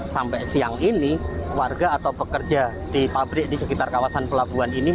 sampai siang ini warga atau pekerja di pabrik di sekitar kawasan pelabuhan ini